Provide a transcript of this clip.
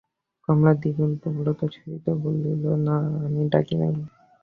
কমলা দ্বিগুণ প্রবলতার সহিত বলিল, না, আমি ডাকি নাই।